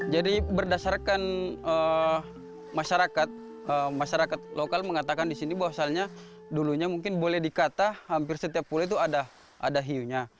jadi berdasarkan masyarakat masyarakat lokal mengatakan disini bahwasannya dulunya mungkin boleh dikata hampir setiap pulau itu ada hiunya